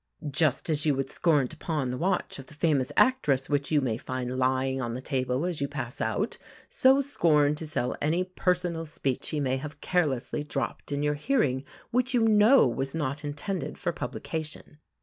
Just as you would scorn to pawn the watch of the famous actress which you may find lying on the table as you pass out, so scorn to sell any personal speech she may have carelessly dropped in your hearing which you know was not intended for publication.